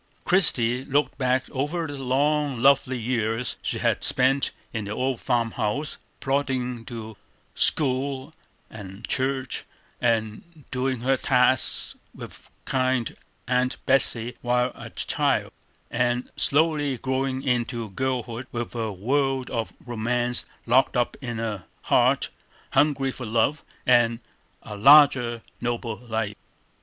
Christie looked back over the long, lonely years she had spent in the old farm house, plodding to school and church, and doing her tasks with kind Aunt Betsey while a child; and slowly growing into girlhood, with a world of romance locked up in a heart hungry for love and a larger, nobler life.